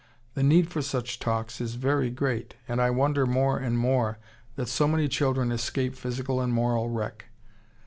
The need for such talks is very great, and I wonder more and more that so many children escape physical and moral wreck.